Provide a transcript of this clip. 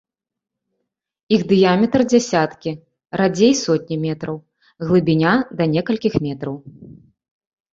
Іх дыяметр дзесяткі, радзей сотні метраў, глыбіня да некалькіх метраў.